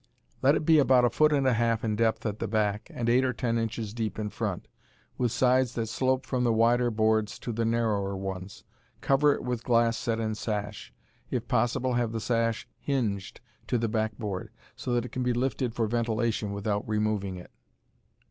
Let it be about a foot and a half in depth at the back, and eight or ten inches deep in front, with sides that slope from the wider boards to the narrower ones. Cover it with glass set in sash. If possible have the sash hinged to the back board, so that it can be lifted for ventilation without removing it.